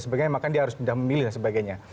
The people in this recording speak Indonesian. sebagainya makanya dia harus pindah memilih lah sebagainya